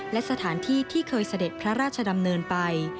และสถานที่ที่เคยเสด็จพระราชดำเนินไป